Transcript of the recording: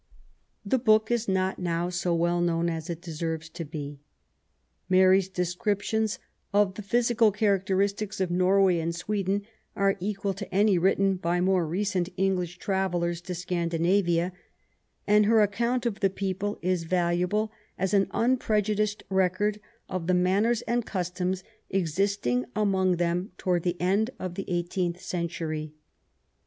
The book is not now so well known as it deserves to be. Mary's descriptions of the physical characteristics of Norway and Sweden are equal to any written by more recent English travellers to Scandi navia ; and her account of the people is valuable as an unprejudiced record of the manners and customs exist ing among them towards the end of the eighteenth century.